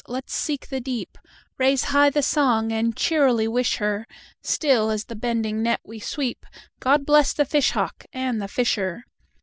let 's seek the deep, Raise high the song, and cheerily wish her, Still as the bending net we sweep,"God bless the fish hawk and the fisher!"